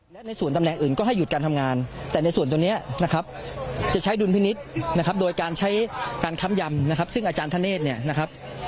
และในส่วนตำแหน่งอื่นก็ให้หยุดการทำงานแต่ในส่วนตัวนี้นะครับจะใช้ดุลพินิษฐ์นะครับโดยการใช้การค้ำยำนะครับซึ่งอาจารย์ธเนธเนี่ยนะครับ